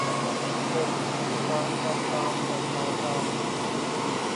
درزی کی دکان پرکام کرتا تھا